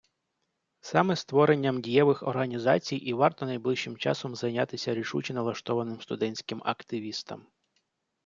Саме створенням дієвих організацій і варто найближчим часом зайнятися рішуче налаштованим студентським активістам.